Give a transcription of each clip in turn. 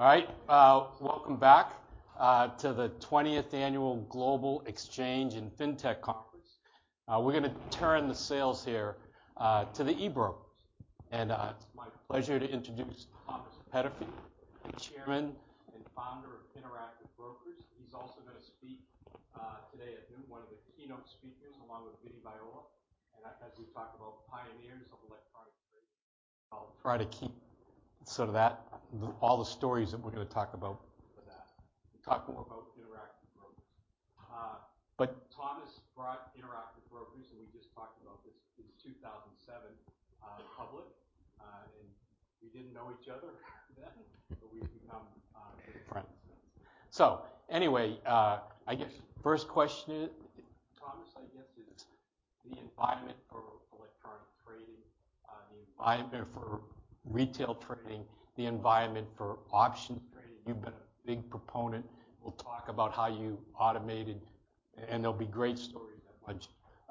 All right, welcome back to the 20th Annual Global Exchange and FinTech Conference. We're gonna turn the sails here to the e-brokers. It's my pleasure to introduce Thomas Peterffy, the Chairman and Founder of Interactive Brokers. He's also gonna speak today at noon, one of the keynote speakers, along with Vincent Viola. As we talk about pioneers of electronic trading, I'll try to keep sort of that, all the stories that we're gonna talk about with that. Talk more about Interactive Brokers. Thomas brought Interactive Brokers, and we just talked about this, in 2007, public. We didn't know each other then, but we've become good friends since. Anyway, I guess first question, Thomas, I guess is the environment for electronic trading, the environment for retail trading, the environment for options trading? You've been a big proponent. We'll talk about how you automated, and there'll be great stories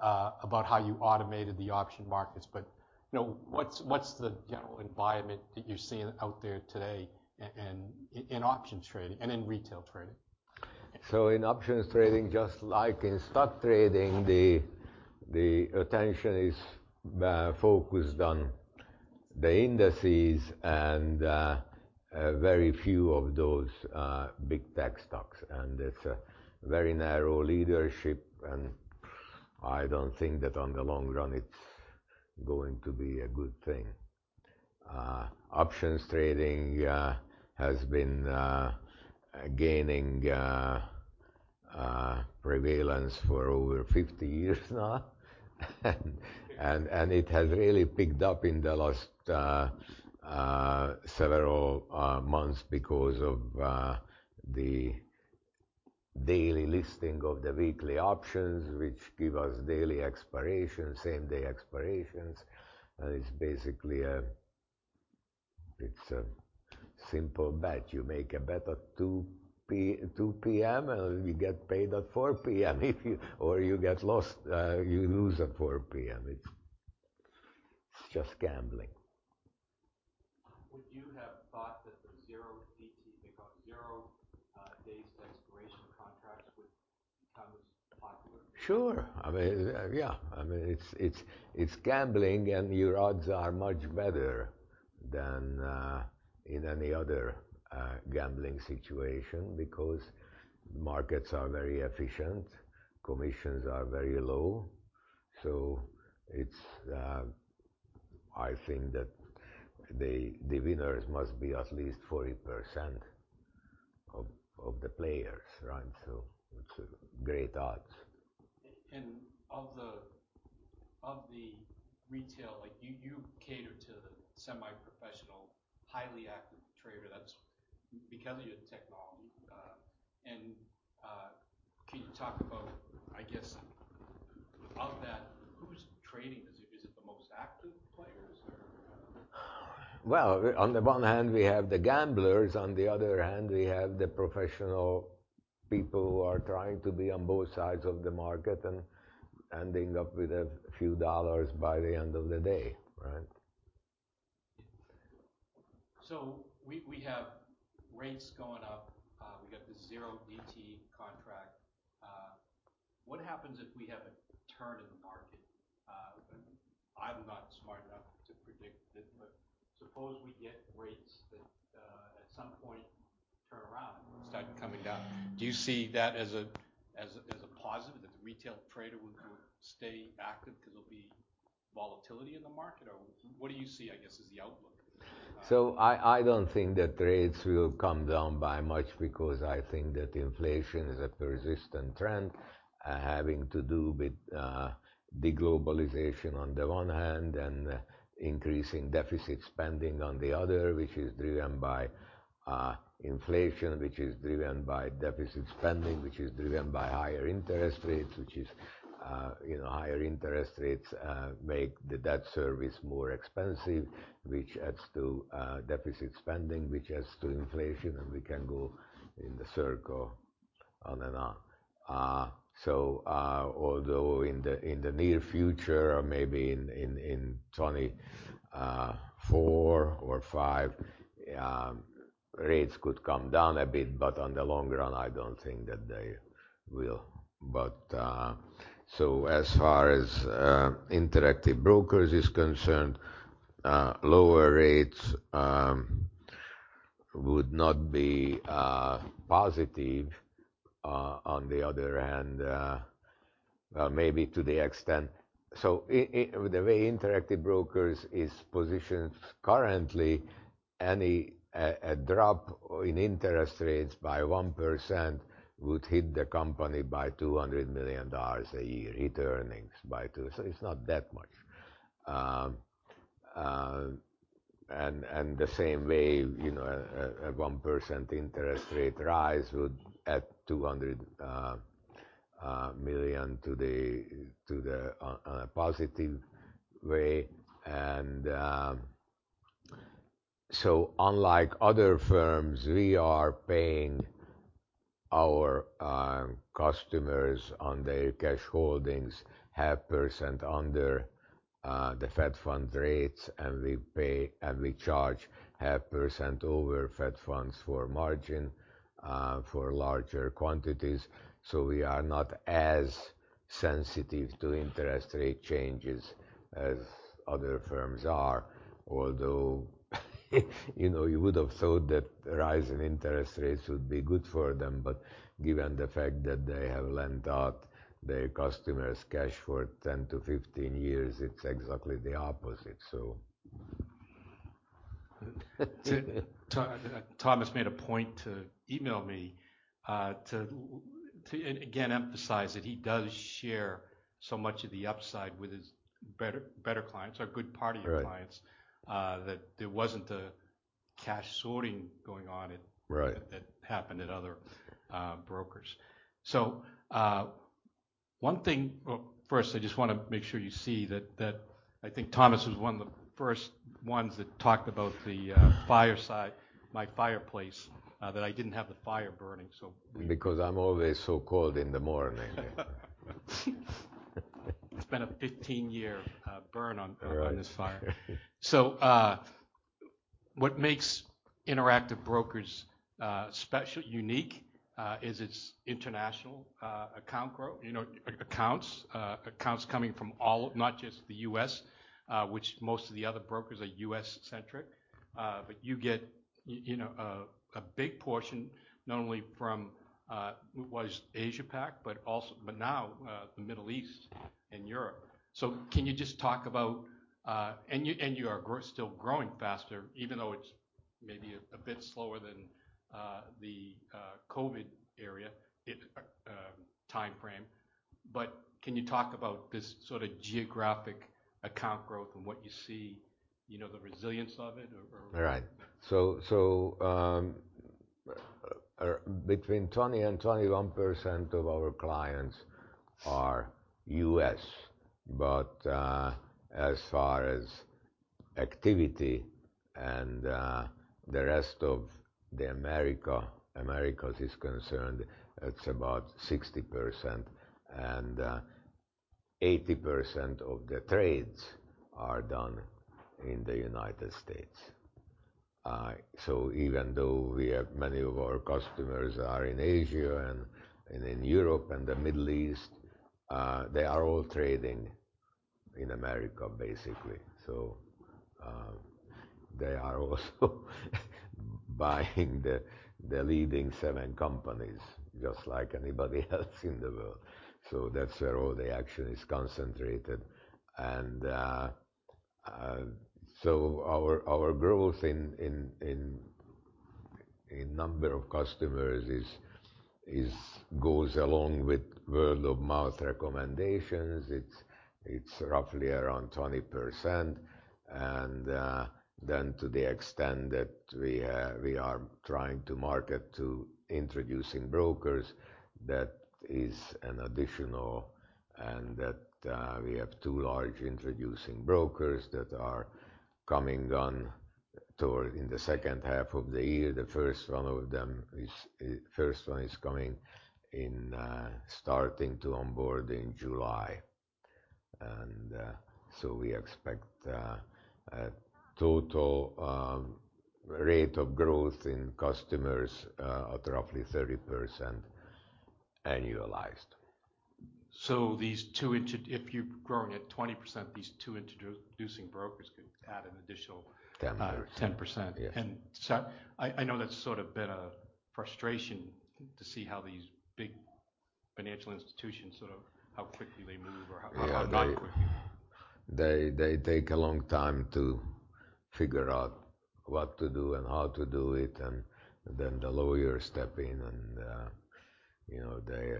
about how you automated the option markets. You know, what's the general environment that you're seeing out there today in, in option trading and in retail trading? In options trading, just like in stock trading, the attention is focused on the indices and a very few of those big tech stocks. It's a very narrow leadership, and I don't think that on the long run, it's going to be a good thing. Options trading has been gaining prevalence for over 50 years now, and it has really picked up in the last several months because of the daily listing of the weekly options, which give us daily expiration, same-day expirations. It's basically a simple bet. You make a bet at 2:00 P.M., and you get paid at 4:00 P.M. Or you get lost, you lose at 4 P.M. It's just gambling. Would you have thought that the 0DTE, because zero days to expiration contracts would become as popular? Sure. I mean, yeah. I mean, it's gambling, and your odds are much better than in any other gambling situation because markets are very efficient, commissions are very low. It's, I think that the winners must be at least 40% of the players, right? It's great odds. Of the retail, like you cater to the semi-professional, highly active trader that's because of your technology. Can you talk about, I guess, of that, who is trading? Is it the most active players or? On the one hand, we have the gamblers. On the other hand, we have the professional people who are trying to be on both sides of the market and ending up with a few dollars by the end of the day, right? We have rates going up. We got this 0DTE contract. What happens if we have a turn in the market? I'm not smart enough to predict it, but suppose we get rates that at some point turn around and start coming down. Do you see that as a positive, that the retail trader would stay active because there'll be volatility in the market? What do you see, I guess, as the outlook? I don't think that rates will come down by much because I think that inflation is a persistent trend, having to do with de-globalization on the one hand and increasing deficit spending on the other, which is driven by inflation, which is driven by deficit spending, which is driven by higher interest rates, which is, you know, higher interest rates make the debt service more expensive, which adds to deficit spending, which adds to inflation. We can go in the circle on and on. Although in the near future, or maybe in 2024 or 2025, rates could come down a bit, but on the long run, I don't think that they will. As far as Interactive Brokers is concerned, lower rates would not be positive. On the other hand, maybe the way Interactive Brokers is positioned currently, a drop in interest rates by 1% would hit the company by $200 million a year, earnings by too. It's not that much. The same way, you know, a 1% interest rate rise would add $200 million to the positive way. Unlike other firms, we are paying our customers on their cash holdings 0.5% under the Fed funds rates, and we charge 0.5% over Fed funds for margin, for larger quantities. We are not as sensitive to interest rate changes as other firms are. Although, you know, you would have thought that a rise in interest rates would be good for them, but given the fact that they have lent out their customers' cash for 10-15 years, it's exactly the opposite. To Thomas made a point to email me, to again emphasize that he does share so much of the upside with his better clients, or a good part of your clients. Right. That there wasn't a cash sorting going on. Right. That happened at other brokers. One thing. Well, first, I just wanna make sure you see that I think Thomas was one of the first ones that talked about the fireside, my fireplace, that I didn't have the fire burning. I'm always so cold in the morning. It's been a 15-year burn on. Right. On this fire. What makes Interactive Brokers special, unique, is its international account growth. You know, accounts coming from all, not just the U.S., which most of the other brokers are U.S.-centric. But you get, you know, a big portion, not only from what was Asia-Pac, but also, but now, the Middle East and Europe. Can you just talk about, and you, and you are still growing faster, even though it's maybe a bit slower than the COVID-area, it timeframe. Can you talk about this sort of geographic account growth and what you see, you know, the resilience of it or? Right. Between 20% and 21% of our clients are U.S. As far as activity and the rest of the Americas is concerned, it's about 60%, and 80% of the trades are done in the United States. Even though we have many of our customers are in Asia and in Europe and the Middle East, they are all trading in America, basically. They are also buying the leading seven companies, just like anybody else in the world. That's where all the action is concentrated. Our growth in number of customers goes along with word-of-mouth recommendations. It's roughly around 20%. To the extent that we are trying to market to introducing brokers, that is an additional, and that we have two large introducing brokers that are coming on toward in the second half of the year. The first one of them is coming in starting to onboard in July. We expect a total rate of growth in customers of roughly 30% annualized. If you're growing at 20%, these two introducing brokers could add. 10%. 10%. Yes. I know that's sort of been a frustration to see how these big financial institutions, sort of, how quickly they move or. Yeah. or not quickly. They take a long time to figure out what to do and how to do it, and then the lawyers step in and, you know, they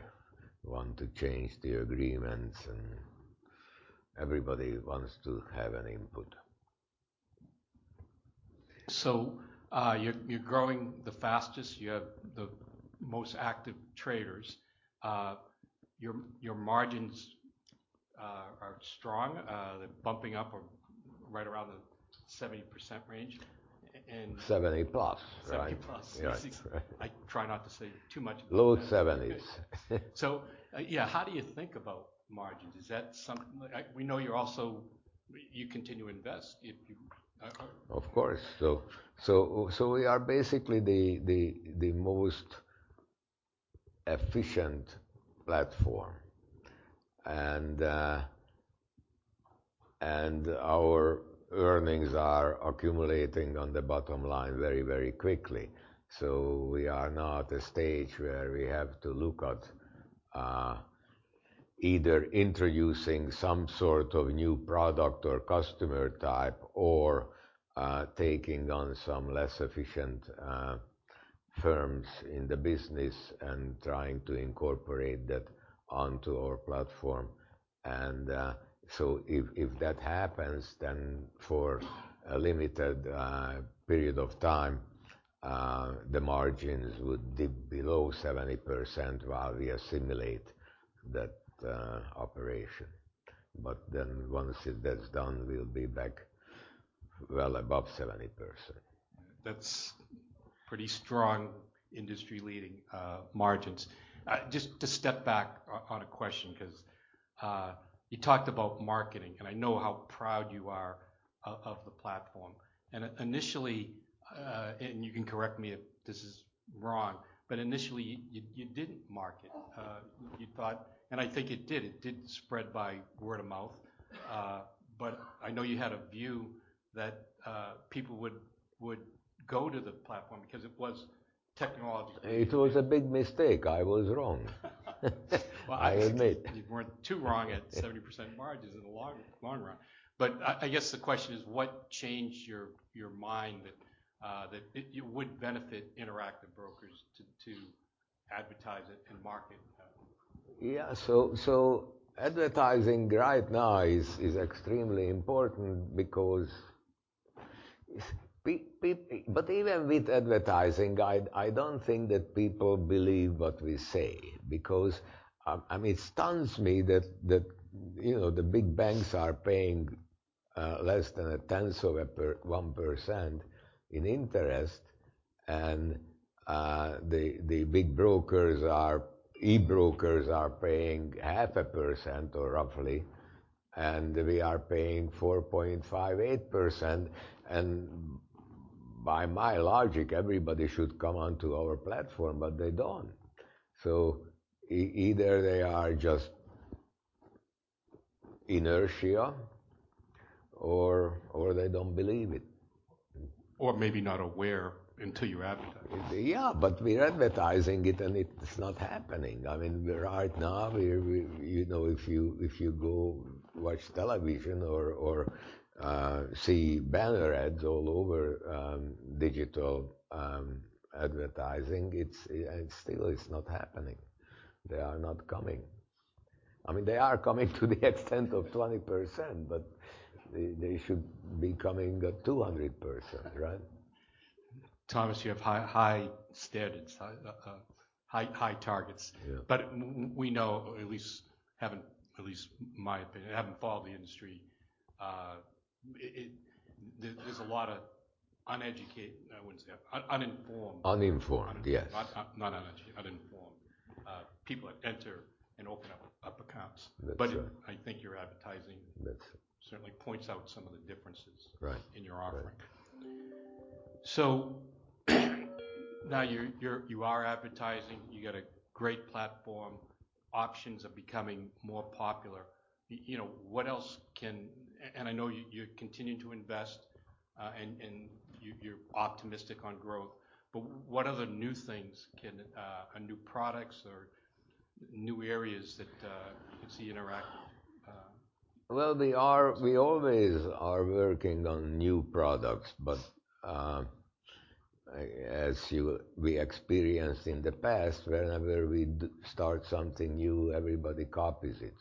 want to change the agreements, and everybody wants to have an input. You're growing the fastest. You have the most active traders. Your margins are strong. They're bumping up or right around the 70% range. 70%+, right? 70%+. Yes. I try not to say too much. Low 70s. Yeah. How do you think about margins? Is that something like, we know you're also, you continue to invest if you. Of course. So we are basically the most efficient platform. Our earnings are accumulating on the bottom line very, very quickly. We are now at a stage where we have to look at either introducing some sort of new product or customer type or taking on some less efficient firms in the business and trying to incorporate that onto our platform. If that happens, then for a limited period of time, the margins would dip below 70% while we assimilate that operation. Once that's done, we'll be well above 70%. That's pretty strong industry-leading margins. Just to step back on a question, 'cause you talked about marketing, and I know how proud you are of the platform. Initially, you can correct me if this is wrong, but initially, you didn't market. You thought. I think it did spread by word of mouth. I know you had a view that people would go to the platform because it was technological. It was a big mistake. I was wrong. I admit. You weren't too wrong at 70% margins in the long, long run. I guess the question is: What changed your mind that it would benefit Interactive Brokers to advertise it and market it? Advertising right now is extremely important because but even with advertising, I don't think that people believe what we say because I mean, it stuns me that, you know, the big banks are paying less than a tenth of 1% in interest, and the big brokers are e-brokers are paying 0.5% or roughly, and we are paying 4.58%. By my logic, everybody should come onto our platform, but they don't. Either they are just inertia or they don't believe it. Maybe not aware until you advertise. We're advertising it, and it's not happening. Right now, we're, you know, if you go watch television or see banner ads all over digital advertising, it's still not happening. They are not coming. They are coming to the extent of 20%, but they should be coming at 200%, right? Thomas, you have high, high standards, high, high targets. We know, or at least, having at least my opinion, having followed the industry, it. There's a lot of uneducated, I wouldn't say that, uninformed. Uninformed, yes. Not uneducated, uninformed, people that enter and open up accounts. That's right. I think your advertising. Certainly points out some of the differences. Right. In your offering. Now, you are advertising. You got a great platform. Options are becoming more popular. You know, what else can, I know you're continuing to invest, and you're optimistic on growth. What other new things can or new products or new areas that you can see Interactive Brokers? Well, we always are working on new products. As you, we experienced in the past, whenever we start something new, everybody copies it.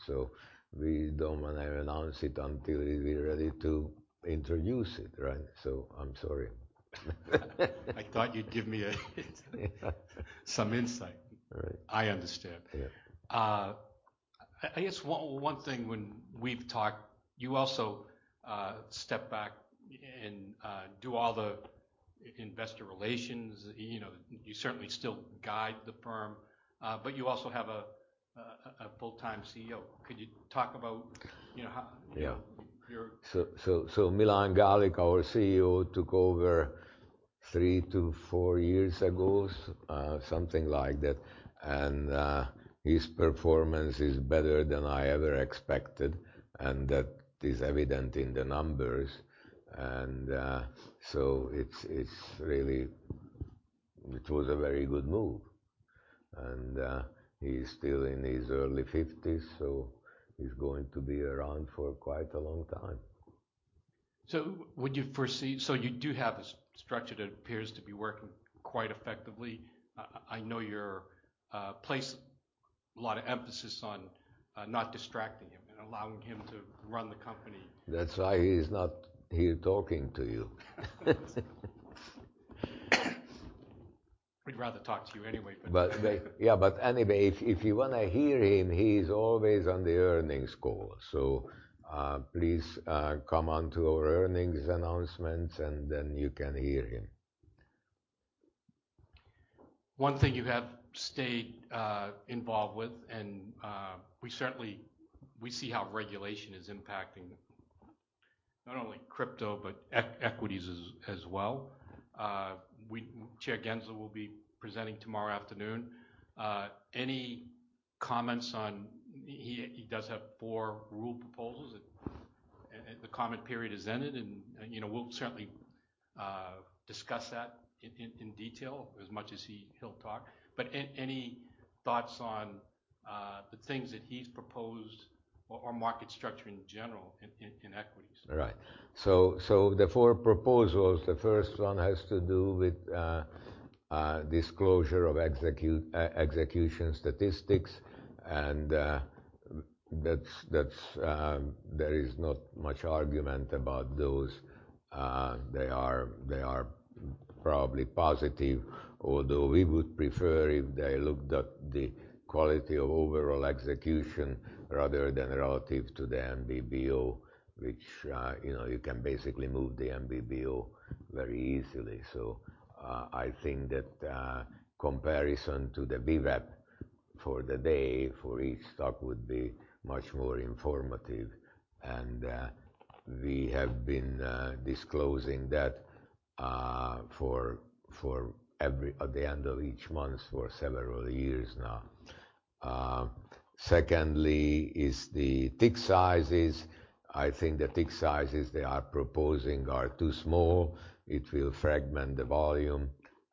We don't want to announce it until we're ready to introduce it, right? I'm sorry. I thought you'd give me some insight. Right. I understand. I guess one thing when we've talked, you also step back and do all the investor relations. You know, you certainly still guide the firm, but you also have a full-time CEO. Could you talk about, you know? Your. Milan Galik, our CEO, took over three to four years ago, something like that, and his performance is better than I ever expected, and that is evident in the numbers. It's really. It was a very good move. He's still in his early 50s, so he's going to be around for quite a long time. You do have a structure that appears to be working quite effectively. I know you're place a lot of emphasis on not distracting him and allowing him to run the company. That's why he's not here talking to you. We'd rather talk to you anyway. Yeah. Anyway, if you wanna hear him, he's always on the earnings call. Please, come on to our earnings announcements, and then you can hear him. One thing you have stayed involved with, we certainly. We see how regulation is impacting not only crypto, but equities as well. Chair Gensler will be presenting tomorrow afternoon. Any comments on. He does have four rule proposals, and the comment period has ended, and, you know, we'll certainly discuss that in detail as much as he'll talk. Any thoughts on the things that he's proposed or market structure in general in equities? Right. The four proposals, the first one has to do with disclosure of execution statistics, and that's. There is not much argument about those. They are probably positive, although we would prefer if they looked at the quality of overall execution rather than relative to the NBBO, which, you know, you can basically move the NBBO very easily. I think that comparison to the VWAP for the day for each stock would be much more informative. We have been disclosing that for every at the end of each month for several years now. Secondly, is the tick sizes. I think the tick sizes they are proposing are too small. It will fragment the volume.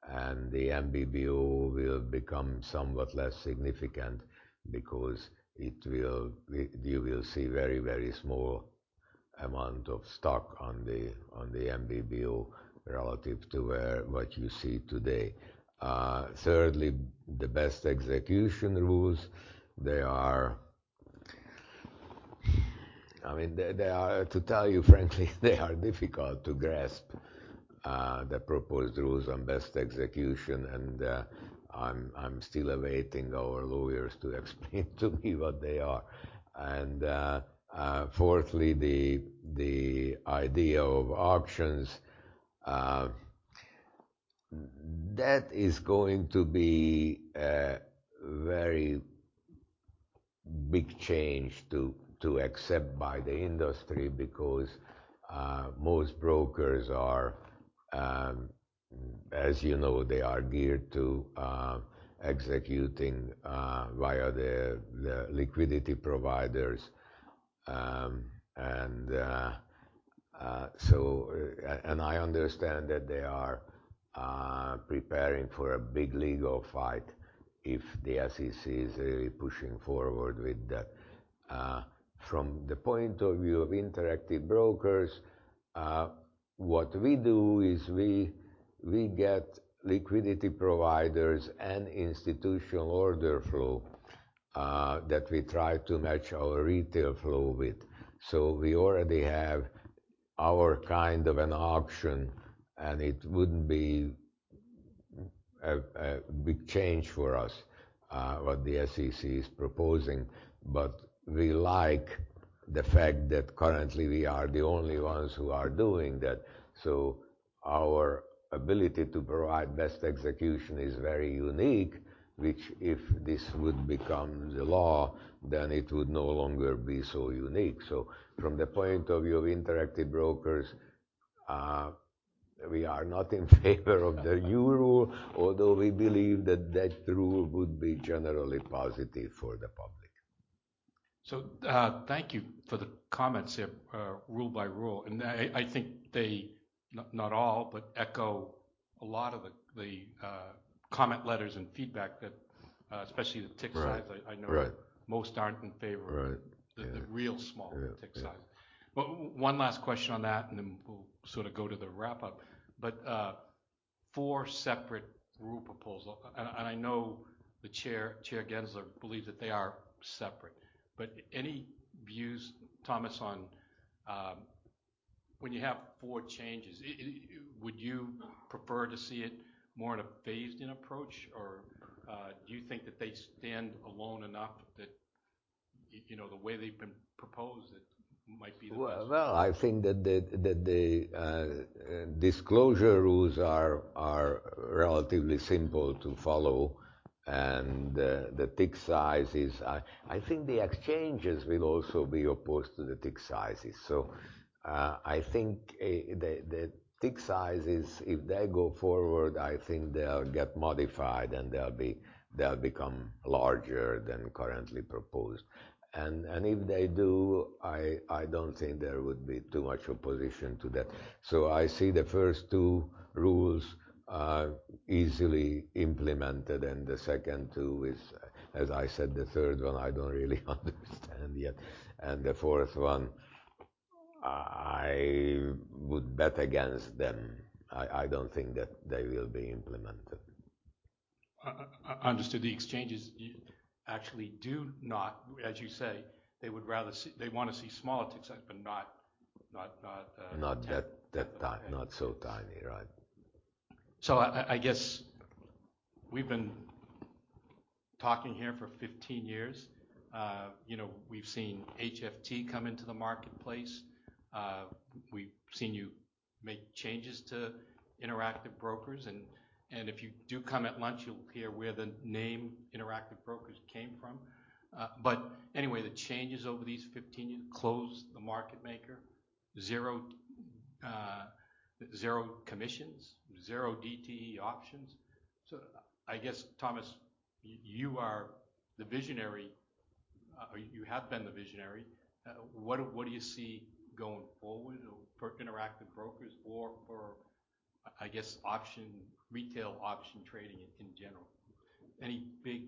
The NBBO will become somewhat less significant because you will see very, very small amount of stock on the NBBO relative to what you see today. Thirdly, the best execution rules, I mean, to tell you frankly, they are difficult to grasp, the proposed rules on best execution, I'm still awaiting our lawyers to explain to me what they are. Fourthly, the idea of options, that is going to be a very big change to accept by the industry, because most brokers are, as you know, they are geared to executing via their liquidity providers. I understand that they are preparing for a big legal fight if the SEC is really pushing forward with that. From the point of view of Interactive Brokers, what we do is we get liquidity providers and institutional order flow that we try to match our retail flow with. We already have our kind of an option, and it wouldn't be a big change for us what the SEC is proposing. We like the fact that currently we are the only ones who are doing that. Our ability to provide best execution is very unique, which, if this would become the law, then it would no longer be so unique. From the point of view of Interactive Brokers, we are not in favor of the new rule, although we believe that that rule would be generally positive for the public. Thank you for the comments here, rule by rule. I think they, not all, but echo a lot of the comment letters and feedback that, especially the tick size. Right. I know. Right. Most aren't in favor. Right. Yeah. The real tick size. Well, one last question on that, and then we'll sort of go to the wrap-up. Four separate rule proposals, and I know the chair, Chair Gensler, believes that they are separate, but any views, Thomas, on, when you have four changes, would you prefer to see it more in a phased-in approach? Or, do you think that they stand alone enough that, you know, the way they've been proposed, it might be the best? I think that the disclosure rules are relatively simple to follow, and the tick sizes, I think the exchanges will also be opposed to the tick sizes. I think the tick sizes, if they go forward, I think they'll get modified, and they'll become larger than currently proposed. If they do, I don't think there would be too much opposition to that. I see the first two rules are easily implemented, and the second two is, as I said, the third one, I don't really understand yet, and the fourth one, I would bet against them. I don't think that they will be implemented. Understood. The exchanges actually do not. As you say, they wanna see smaller tick sizes, but not. Not that, Not so tiny, right. I guess we've been talking here for 15 years. You know, we've seen HFT come into the marketplace. We've seen you make changes to Interactive Brokers, and if you do come at lunch, you'll hear where the name Interactive Brokers came from. Anyway, the changes over these 15 years closed the market maker, zero commissions, 0DTE options. I guess, Thomas, you are the visionary, or you have been the visionary. What do you see going forward for Interactive Brokers or for, I guess, option, retail option trading in general? Any big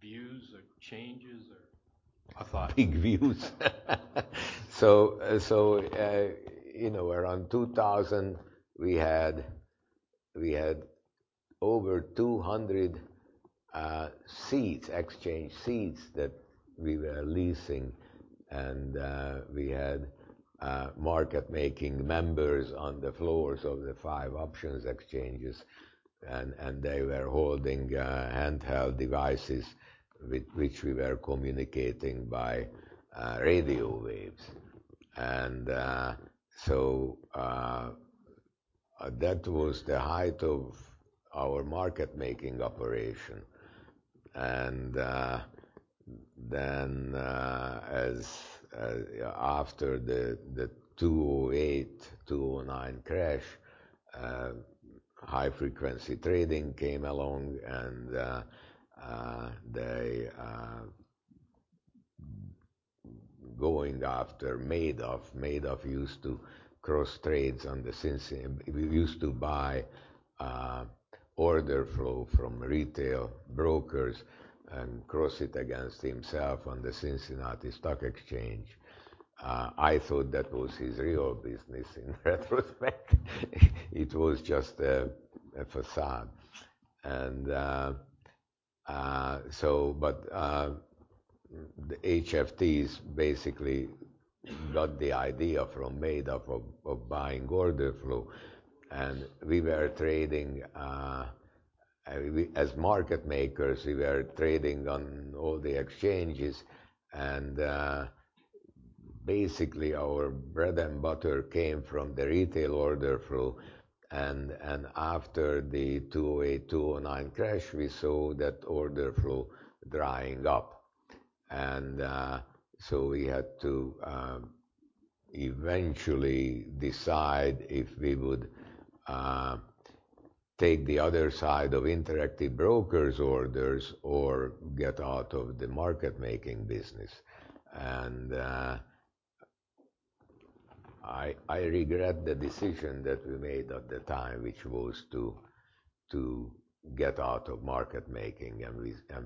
views or changes or a thought? Big views? You know, around 2000, we had over 200 seats, exchange seats that we were leasing, and we had market-making members on the floors of the five options exchanges, and they were holding handheld devices with which we were communicating by radio waves. That was the height of our market-making operation. After the 2008-2009 crash, high-frequency trading came along, and they going after Madoff. He used to buy order flow from retail brokers and cross it against himself on the Cincinnati Stock Exchange. I thought that was his real business in retrospect. It was just a facade. The HFTs basically got the idea from Madoff of buying order flow, and we were trading as market makers, we were trading on all the exchanges, basically, our bread and butter came from the retail order flow. After the 2008-2009 crash, we saw that order flow drying up. We had to eventually decide if we would take the other side of Interactive Brokers orders or get out of the market-making business. I regret the decision that we made at the time, which was to get out of market making,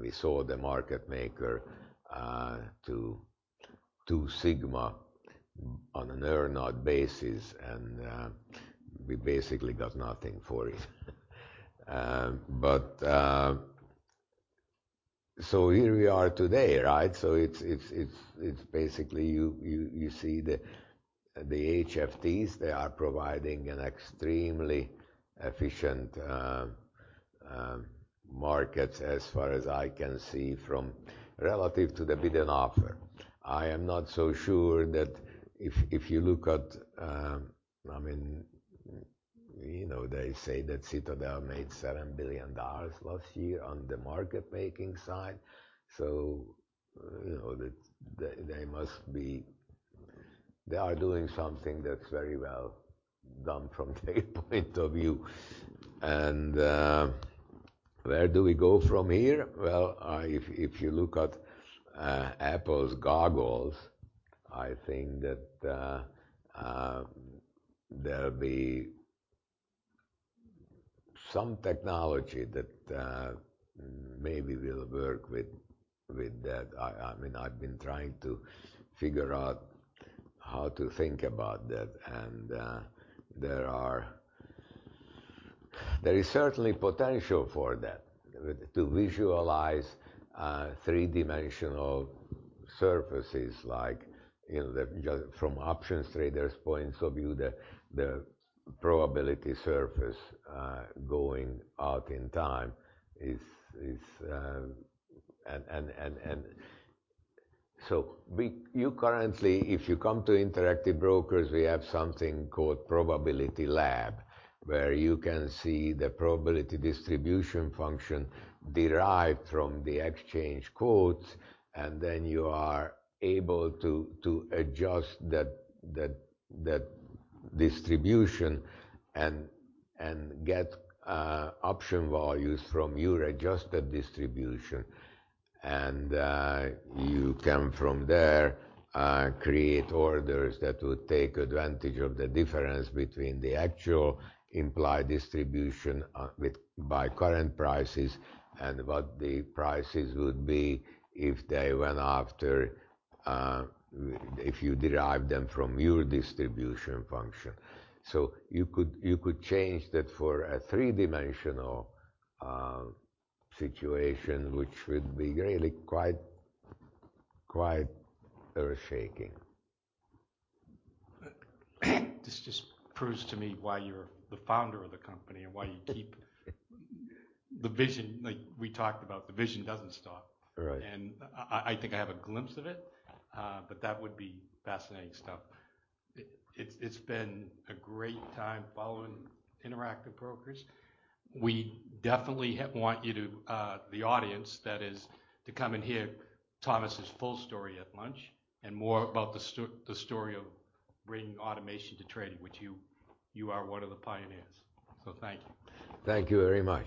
we sold the market maker to Two Sigma on an earn-out basis, we basically got nothing for it. Here we are today, right? It's basically you see the HFTs, they are providing an extremely efficient market, as far as I can see, from relative to the bid and offer. I am not so sure that if you look at, I mean, you know, they say that Citadel made $7 billion last year on the market-making side, so, you know, that they are doing something that's very well done from their point of view. Where do we go from here? Well, if you look at Apple's goggles, I think that there'll be some technology that maybe will work with that. I mean, I've been trying to figure out how to think about that. There is certainly potential for that, to visualize three-dimensional surfaces, like from options traders' points of view, the probability surface going out in time is. You currently, if you come to Interactive Brokers, we have something called Probability Lab, where you can see the probability distribution function derived from the exchange quotes, then you are able to adjust that distribution and get option values from your adjusted distribution. You can from there create orders that would take advantage of the difference between the actual implied distribution by current prices and what the prices would be if they went after if you derive them from your distribution function. You could change that for a three-dimensional situation, which would be really quite earth-shaking. This just proves to me why you're the founder of the company and why you keep- the vision, like we talked about, the vision doesn't stop. Right. I think I have a glimpse of it, but that would be fascinating stuff. It's been a great time following Interactive Brokers. We definitely want you to, the audience, that is, to come and hear Thomas's full story at lunch and more about the story of bringing automation to trading, which you are one of the pioneers. Thank you. Thank you very much.